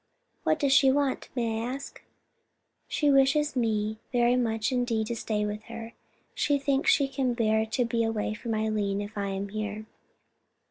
What does she want, may I ask?" "She wishes me very much indeed to stay with her. She thinks she can bear to be away from Eileen if I am here."